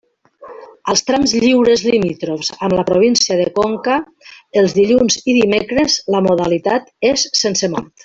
Als trams lliures limítrofs amb la província de Conca, els dilluns i dimecres la modalitat és sense mort.